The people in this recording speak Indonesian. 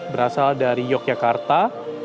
berasal dari yogyakarta